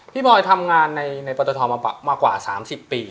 บอยทำงานในปตทมากว่า๓๐ปี